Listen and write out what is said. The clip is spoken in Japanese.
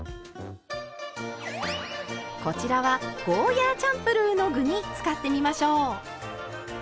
こちらはゴーヤーチャンプルーの具に使ってみましょう。